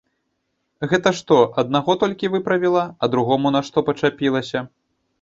Гэта што, аднаго толькі выправіла, а другому нашто пачапілася.